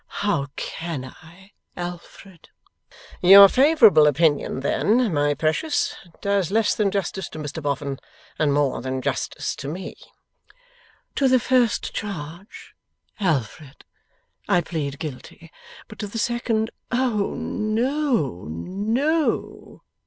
'How can I, Alfred?' 'Your favourable opinion then, my Precious, does less than justice to Mr Boffin, and more than justice to me.' 'To the first charge, Alfred, I plead guilty. But to the second, oh no, no!